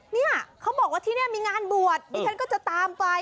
เนี่ยเขาบอกว่าที่นี่มีงานบวชดิฉันก็จะตามไป